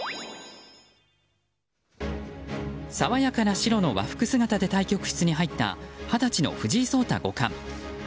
爽やかな白の和服姿で対局室に入った二十歳の藤井聡太五冠。